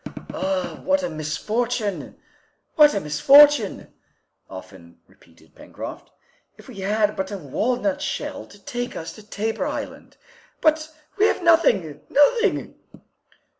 "Ah, what a misfortune! what a misfortune!" often repeated Pencroft. "If we had but a walnut shell to take us to Tabor Island! But we have nothing, nothing!"